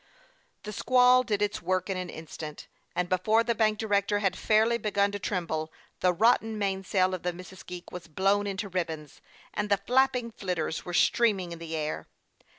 The squall did its work in an instant ; and before the bank director had fairly begun to tremble, the rotten mainsail of the Missisque was blown into ribbons, and the " flapping flitters " were streaming in the air.